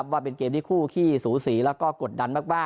ว่าเป็นเกมที่คู่ขี้สูสีและกดดัน